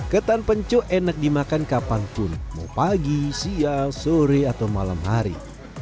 ketan pencok enak dimakan kapanpun mau pagi siang sore atau malam hari